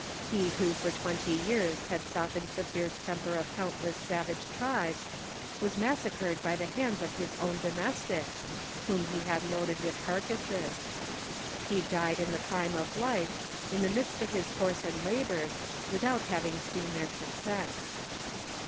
He who for twenty years had softened the fierce temper of countless savage tribes, was massacred by the hands of his own domestics, whom he had loaded with cares ses. He died in the prime of life, in the midst of his conree and labors, without having seen their success.